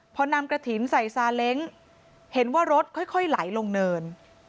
พอนำกระถิ่นใส่ซาเล้งเห็นว่ารถค่อยไหลลงเนิน